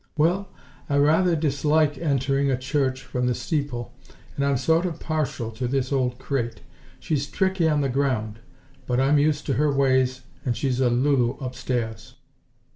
"Well, I rather dislike entering a church from the steeple, and I'm sort of partial to this old crate. She's tricky on the ground, but I'm used to her ways and she's a Lulu upstairs."